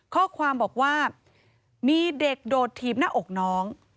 ข้อความบอกว่ามีเด็กโดดถีบหน้าอกน้อง